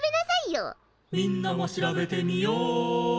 「みんなも調べてみよ！」